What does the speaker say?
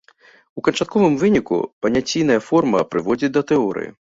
У канчатковым выніку паняційная форма прыводзіць да тэорыі.